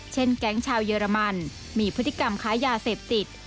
แก๊งชาวเยอรมันมีพฤติกรรมค้ายาเสพติด